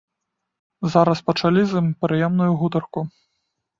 Зараз пачалі з ім прыемную гутарку.